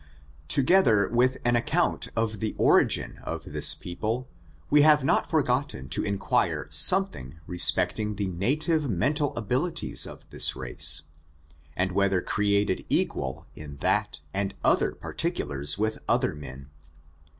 Together with an account of the origin of this people, we have not forgotten to inquire something respecting the native mental abilities of the race^ and whether created' equal in thai and oiher particulars with other men.